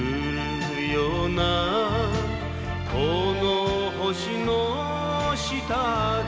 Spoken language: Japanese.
「この星の下で」